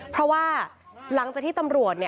เพราะว่าหลังจากที่ตำรวจ